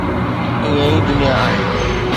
ائين ئي دنيا آهي.